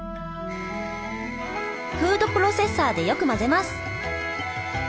フードプロセッサーでよく混ぜます。